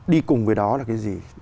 đi cùng với đó là cái gì